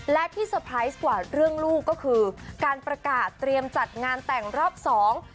และที่เตอร์ไพรส์กว่าเรื่องลูกก็คือการประกาศเตรียมจัดงานแต่งรอบสอง